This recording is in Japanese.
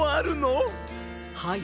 はい。